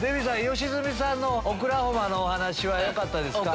良純さんのオクラホマのお話はよかったですか？